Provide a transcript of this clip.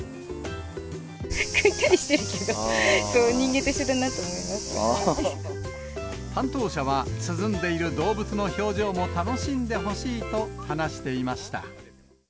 ぐったりしてるけど、人間と担当者は、涼んでいる動物の表情も楽しんでほしいと話していました。